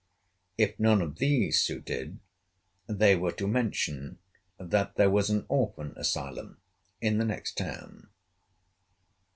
If none of these suited, they were to mention that there was an orphan asylum in the next town.